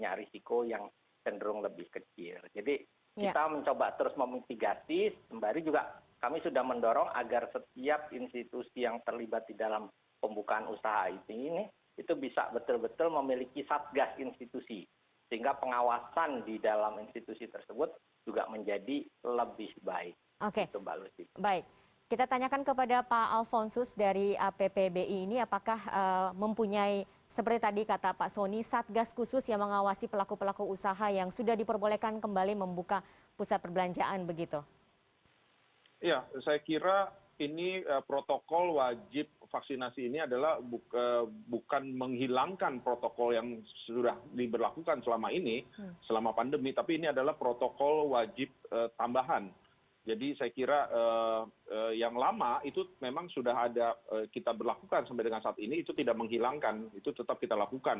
jadi saya kira yang lama itu memang sudah ada kita berlakukan sampai dengan saat ini itu tidak menghilangkan itu tetap kita lakukan